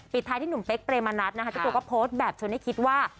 ท้ายที่หนุ่มเป๊กเปรมนัดนะคะเจ้าตัวก็โพสต์แบบชวนให้คิดว่า